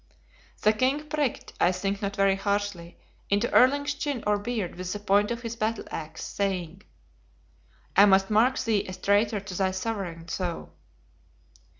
The king pricked, I think not very harshly, into Erling's chin or beard with the point of his battle axe, saying, "I must mark thee as traitor to thy Sovereign, though."